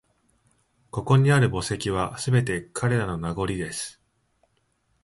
ここにある墓石は、すべて彼らの…名残です